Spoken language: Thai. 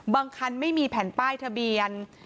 คันไม่มีแผ่นป้ายทะเบียน